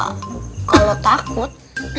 itu juga kalau takut